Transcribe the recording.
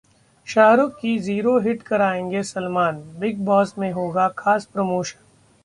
शाहरुख की Zero hit कराएंगे Salman, Bigg Boss में होगा खास प्रमोशन